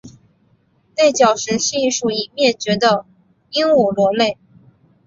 内角石是一属已灭绝的鹦鹉螺类。